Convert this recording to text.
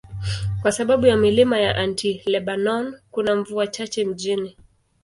Kwa sababu ya milima ya Anti-Lebanon, kuna mvua chache mjini.